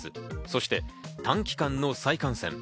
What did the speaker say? そして短期間の再感染。